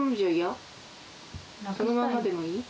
そのままでもいい？